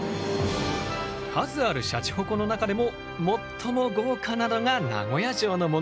数あるシャチホコの中でも最も豪華なのが名古屋城のもの。